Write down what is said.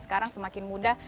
sekarang semakin mudah